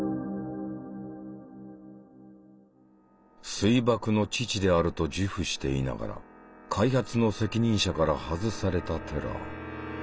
「水爆の父」であると自負していながら開発の責任者から外されたテラー。